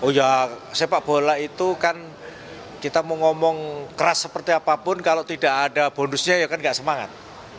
oh ya sepak bola itu kan kita mau ngomong keras seperti apapun kalau tidak ada bonusnya ya kan gak semangat